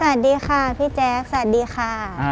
สวัสดีค่ะพี่แจ๊คสวัสดีค่ะ